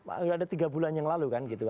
sudah ada tiga bulan yang lalu kan gitu